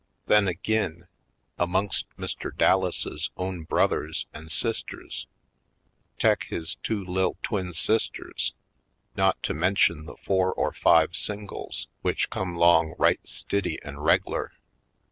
Then ag'in, amongst Mr. Dallases' own brothers an' sisters, tek his two 111' twin sisters, not to mention the four or five singles w'ich come 'long right stiddy an' reg'lar.